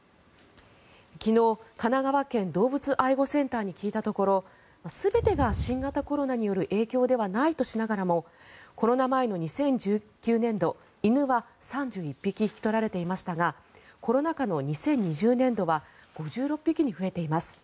昨日神奈川県動物愛護センターに聞いたところ全てが新型コロナによる影響ではないとしながらもコロナ前の２０１９年度犬は３１匹引き取られていましたがコロナ禍の２０２０年度は５６匹に増えています。